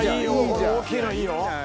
この大きいのいいよ